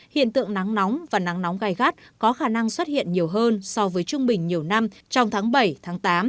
hiện tượng nắng nóng và nắng nóng gai gắt có khả năng xuất hiện nhiều hơn so với trung bình nhiều năm trong tháng bảy tháng tám